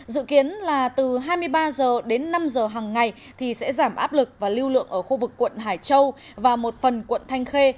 dự kiến là từ hai mươi ba h đến năm h hàng ngày thì sẽ giảm áp lực và lưu lượng ở khu vực quận hải châu và một phần quận thanh khê